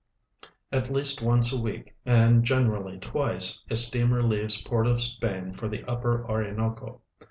At least once a week, and generally twice, a steamer leaves Port of Spain for the upper Orinoco.